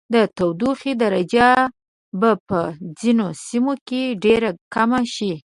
د تودوخې درجه به په ځینو سیمو کې ډیره کمه شي.